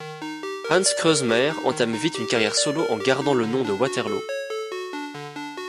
Hans Kreuzmayr entame vite une carrière solo en gardant le nom de Waterloo.